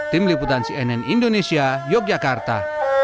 tim liputan cnn indonesia yogyakarta